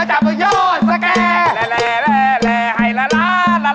มันจับอยู่ยอดสักแกแหละแหละแหละให้ละละละละไม่พอ